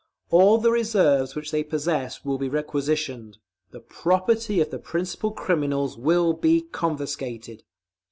All the reserves which they possess will be requisitioned. The property of the principal criminals will be confiscated.